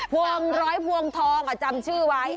พวงร้อยพวงทองจำชื่อไว้